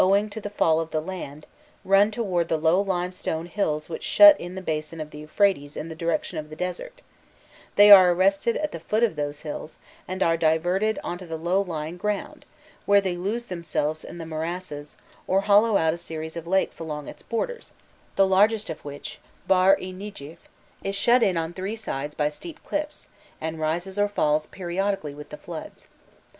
The overflowing waters on the right bank, owing to the fall of the land, run towards the low limestone hills which shut in the basin of the Euphrates in the direction of the desert; they are arrested at the foot of these hills, and are diverted on to the low lying ground, where they lose themselves in the morasses, or hollow out a series of lakes along its borders, the largest of which, Bahr i Nedjif, is shut in on three sides by steep cliffs, and rises or falls periodically with the floods.